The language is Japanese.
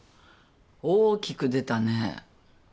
大きく出たねぇ。